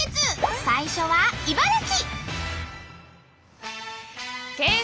最初は茨城。